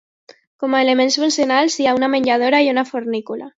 Com a elements funcionals hi ha una menjadora i una fornícula.